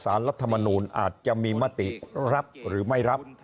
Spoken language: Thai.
รัฐมนูลอาจจะมีมติรับหรือไม่รับ